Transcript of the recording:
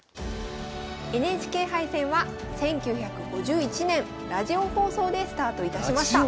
ＮＨＫ杯戦は１９５１年ラジオ放送でスタートいたしました。